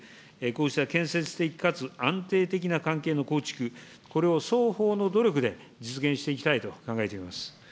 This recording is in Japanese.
こうした建設的かつ安定的な関係の構築、これを双方の努力で実現していきたいと考えています。